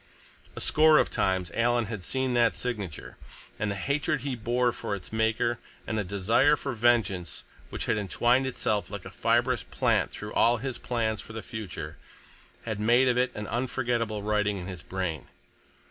A score of times Alan had seen that signature, and the hatred he bore for its maker, and the desire for vengeance which had entwined itself like a fibrous plant through all his plans for the future, had made of it an unforgetable writing in his brain.